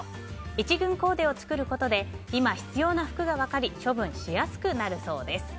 １軍コーデを作ることで今必要な服が分かり処分しやすくなるそうです。